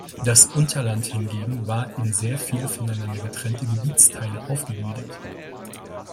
Das Unterland hingegen war in sehr viele voneinander getrennte Gebietsteile aufgegliedert.